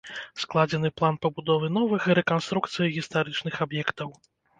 Складзены план пабудовы новых і рэканструкцыі гістарычных аб'ектаў.